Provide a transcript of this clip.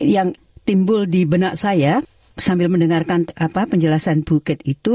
yang timbul di benak saya sambil mendengarkan penjelasan bukit itu